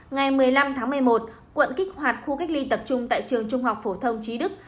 ngày một mươi năm tháng một mươi một quận kích hoạt khu cách ly tập trung tại trường trung học phổ thông trí đức